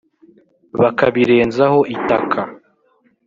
bakabirenzaho itaka